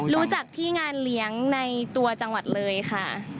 รู้จักที่งานเลี้ยงในตัวจังหวัดเลยค่ะ